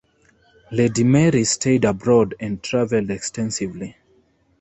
Lady Mary stayed abroad and traveled extensively.